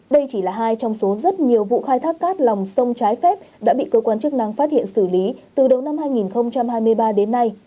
đây chỉ là hai trong số rất nhiều vụ khai thác cát lòng sông trái phép đã bị cơ quan chức năng phát hiện xử lý từ đầu năm hai nghìn hai mươi ba đến nay